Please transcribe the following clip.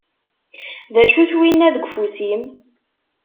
D acu-t winna deg ufus-im?